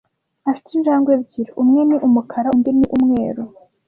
Afite injangwe ebyiri. Umwe ni umukara, undi ni umweru.